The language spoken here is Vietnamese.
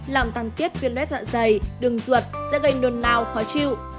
làm tăng tiếp khuyến rét dạ dày đường ruột sẽ gây nôn nao khó chịu